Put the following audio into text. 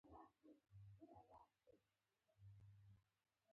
جنرال کوفمان د فلاني کال د جنوري پر اووه لسمه.